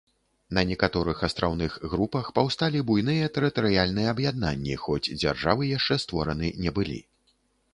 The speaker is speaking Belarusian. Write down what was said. На некаторых астраўных групах паўсталі буйныя тэрытарыяльныя аб'яднанні, хоць дзяржавы яшчэ створаны не былі.